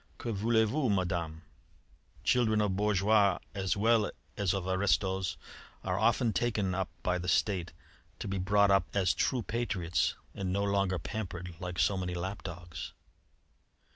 'Que voulez vous, Madame? Children of bourgeois as well as of aristos were often taken up by the State to be brought up as true patriots and no longer pampered like so many lap dogs.'